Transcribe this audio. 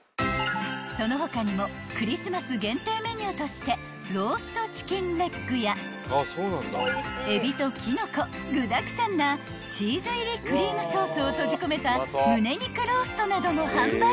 ［その他にもクリスマス限定メニューとしてローストチキンレッグやエビとキノコ具だくさんなチーズ入りクリームソースを閉じ込めた胸肉ローストなども販売］